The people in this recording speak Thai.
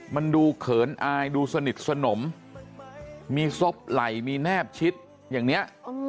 มันดูเขินอายดูสนิทสนมมีศพไหล่มีแนบชิดอย่างนี้